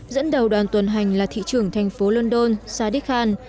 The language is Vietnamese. dẫn đầu đoàn tuần hành là thị trưởng thành phố london sadiq khan